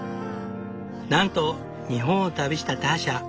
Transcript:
なんと日本を旅したターシャ。